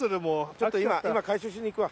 ょっと今回収しに行くわ。